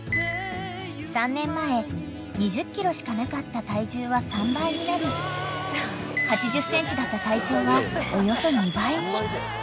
［３年前２０ｋｇしかなかった体重は３倍になり８０ｃｍだった体長はおよそ２倍に］